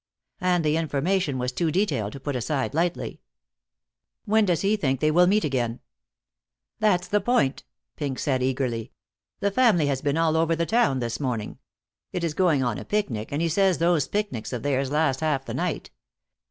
And the information was too detailed to be put aside lightly. "When does he think they will meet again?" "That's the point," Pink said eagerly. "The family has been all over the town this morning. It is going on a picnic, and he says those picnics of theirs last half the night.